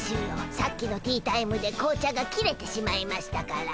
さっきのティータイムで紅茶が切れてしまいましたから。